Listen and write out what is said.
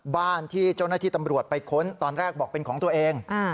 บ้านที่เจ้าหน้าที่ตำรวจไปค้นตอนแรกบอกเป็นของตัวเอง